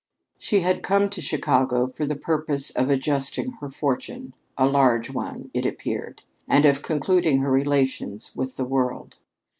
She had come to Chicago for the purpose of adjusting her fortune, a large one, it appeared, and of concluding her relations with the world.